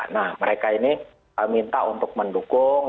nah mereka ini minta untuk mendukung